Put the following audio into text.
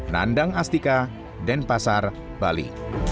nandang astika denpasar bali